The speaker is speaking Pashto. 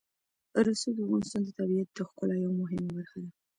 رسوب د افغانستان د طبیعت د ښکلا یوه مهمه برخه ده.